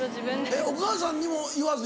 えっお母さんにも言わずに？